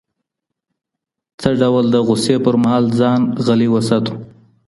څه ډول د غوسې پر مهال ځان غلی وساتو؟